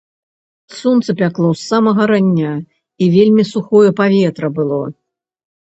Сонца пякло з самага рання, і вельмі сухое паветра было.